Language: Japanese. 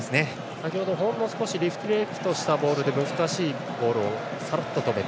先程ほんの少しディフレクトしたボールで難しいボールをさっと止めて。